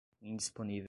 indisponível